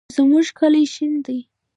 زمونږ کلی شین دی